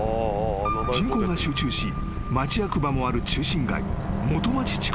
［人口が集中し町役場もある中心街元町地区だった］